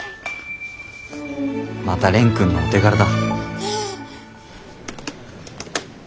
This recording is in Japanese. また蓮くんのお手柄だ。